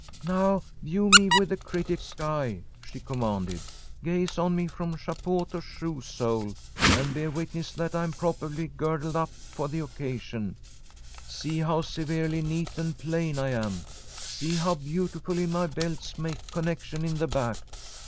"Now view me with a critic's eye," she commanded. "Gaze on me from chapeau to shoe sole, and bear witness that I am properly girded up for the occasion. See how severely neat and plain I am. See how beautifully my belts make connection in the back.